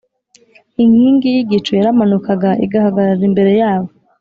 Inkingi y’igicu yaramanukaga igahagarara imbere yabo